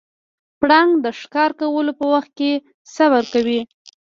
پړانګ د ښکار کولو په وخت کې صبر کوي.